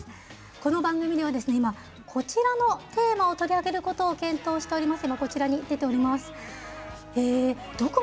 この番組では今、こちらのテーマを取り上げることを検討しております。